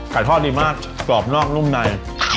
ทอดดีมากกรอบนอกนุ่มใน